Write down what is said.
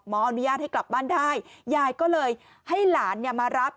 อนุญาตให้กลับบ้านได้ยายก็เลยให้หลานมารับ